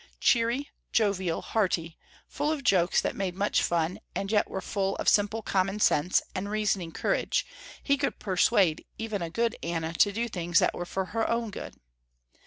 Cheery, jovial, hearty, full of jokes that made much fun and yet were full of simple common sense and reasoning courage, he could persuade even a good Anna to do things that were for her own good.